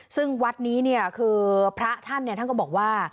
ซึ่งวัดนี้เนี่ยคือพระท่านเนี่ยท่านก็บอกว่า